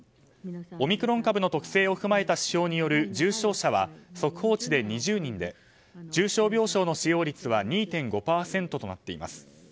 オミクロン株の特性を踏まえた指標による重症者は速報値で２０人で重症病床の使用率は２．５％となっています。